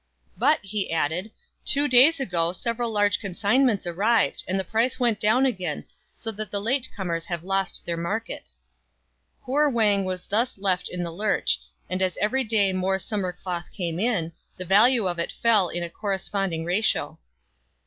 "But," he added, "two days 70 STRANGE STORIES ago several large consignments arrived, and the price went down again, so that the late comers have lost their market." Poor Wang was thus left in the lurch, and as every day more summer cloth came in, the value of it fell in a corresponding ratio.